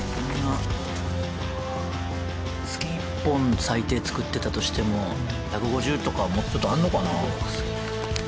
月１本、最低作ってたとしても１５０とか、もうちょっとあんのかな。